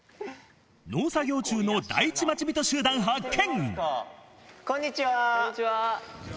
農作業中の第１町人集団発見。